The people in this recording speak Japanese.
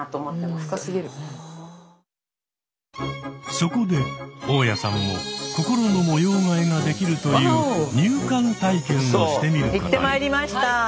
そこで大家さんも心の模様替えができるという入棺体験をしてみることに。